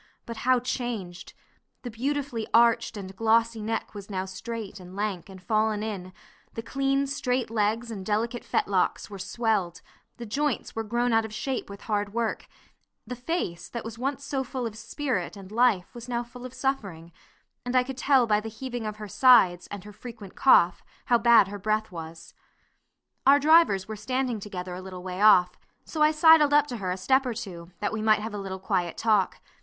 but how changed! The beautifully arched and glossy neck was now straight, and lank, and fallen in; the clean straight legs and delicate fetlocks were swelled; the joints were grown out of shape with hard work; the face, that was once so full of spirit and life, was now full of suffering, and I could tell by the heaving of her sides, and her frequent cough, how bad her breath was. Our drivers were standing together a little way off, so I sidled up to her a step or two, that we might have a little quiet talk.